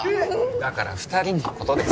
だから二人のことです